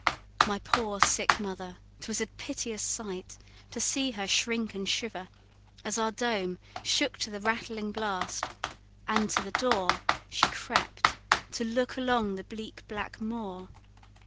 My poor sick mother! 'twas a piteous sight To see her shrink and shiver, as our dome Shook to the rattling blast; and to the door She crept, to look along the bleak, black moor.